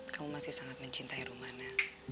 kamu masih sangat mencintai rumana